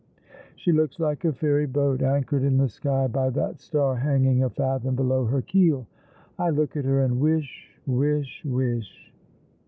She looks like a fairy boat, anchored in the sky by that star hanging a fathom below h^r keel. I look at her, and v/ish — wish — wish